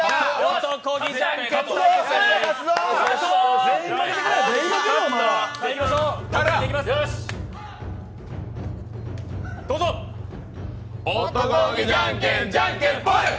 男気じゃんけん、じゃんけんぽい。